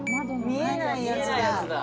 「見えないやつだ！」